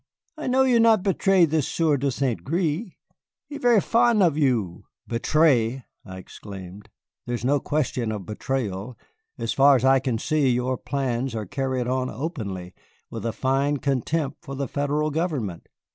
I know you not betray the Sieur de St. Gré. He is ver' fon' of you." "Betray!" I exclaimed; "there is no question of betrayal. As far as I can see, your plans are carried on openly, with a fine contempt for the Federal government."